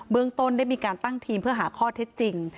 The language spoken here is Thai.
เมืองต้นได้มีการตั้งทีมเพื่อหาข้อเท็จจริง